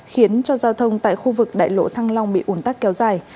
khiến cho giao thông tại khu vực đại lộ thăng long bị ủn tắc kéo dài